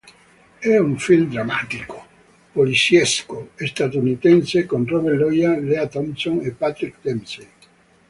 È un film drammatico poliziesco statunitense con Robert Loggia, Lea Thompson e Patrick Dempsey.